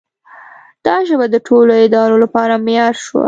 دا ژبه د ټولو ادارو لپاره معیار شوه.